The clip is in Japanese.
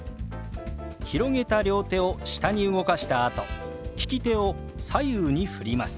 広げた両手を下に動かしたあと聞き手を左右にふります。